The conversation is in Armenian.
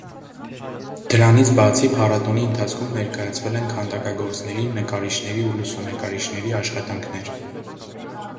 Դրանից բացի փառատոնի ընթացքում ներկայացվել են քանդակագործների, նկարիչների ու լուսանկարիչների աշխատանքներ։